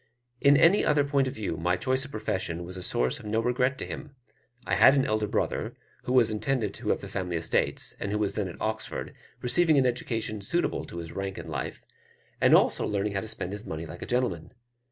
In any other point of view my choice of profession was a source of no regret to him. I had an elder brother, who was intended to have the family estates, and who was then at Oxford, receiving an education suitable to his rank in life, and also learning how to spend his money like a gentleman.